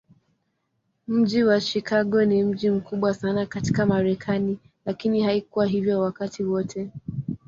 Mji wa Chicago ni mji mkubwa sana katika Marekani, lakini haikuwa hivyo wakati wote.